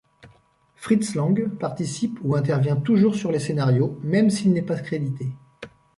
Fritz Lang participe ou intervient toujours sur les scénarios, même s'il n'est pas crédité.